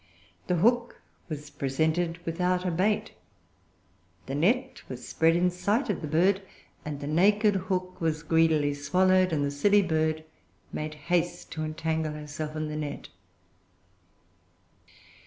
The hook was presented without a bait; the net was spread in sight of the bird; and the naked hook was greedily swallowed; and the silly bird made haste to entangle herself in the net.